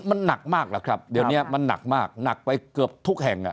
มันหนักมากล่ะครับเดี๋ยวนี้มันหนักมากหนักไปเกือบทุกแห่ง